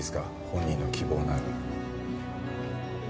本人の希望なら。